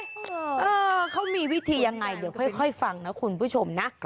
เออเขามีวิธียังไงเดี๋ยวค่อยฟังนะคุณผู้ชมนะ